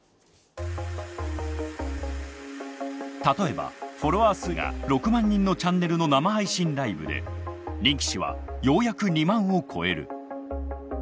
例えばフォロワー数が６万人のチャンネルの生配信ライブで人気値はようやく２万を超える。